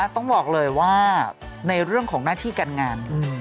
ต้องบอกเลยว่าในเรื่องของหน้าที่การงาน